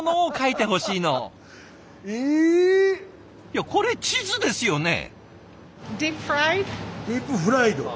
いやこれ地図ですよね？